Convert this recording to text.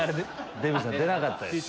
デヴィさん出なかったです。